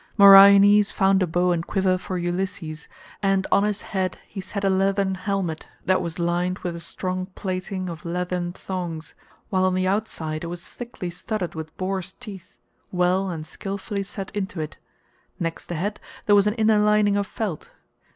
Meriones found a bow and quiver for Ulysses, and on his head he set a leathern helmet that was lined with a strong plaiting of leathern thongs, while on the outside it was thickly studded with boar's teeth, well and skilfully set into it; next the head there was an inner lining of felt.